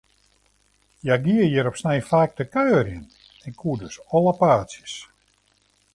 Hja gie hjir op snein faak te kuierjen, en koe dus alle paadsjes.